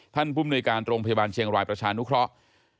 ภูมิหน่วยการโรงพยาบาลเชียงรายประชานุเคราะห์